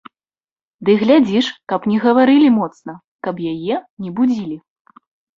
Ды глядзі ж, каб не гаварылі моцна, каб яе не будзілі.